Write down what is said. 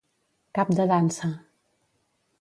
Cap de dansa.